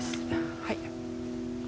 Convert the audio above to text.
はい。